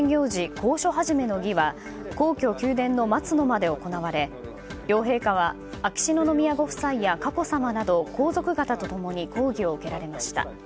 講書始の儀は皇居・宮殿の松の間で行われ両陛下は秋篠宮ご夫妻や佳子さまなど皇族方と共に講義を受けられました。